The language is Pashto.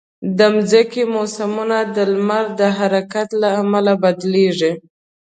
د مځکې موسمونه د لمر د حرکت له امله بدلېږي.